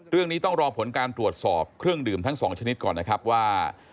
เรื่องนี้ต้องรอผลการตรวจสอบเครื่องดื่มทั้งสองชนิดก่อนนะครับว่า